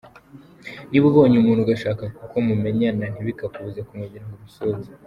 Niba ubonye umuntu ugashaka ko mumenyana, ntibikakubuze kumwegera ngo umusuhuze.